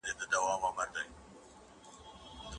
هغه څوک چي لولي هغه هېڅکله نه غولېږي.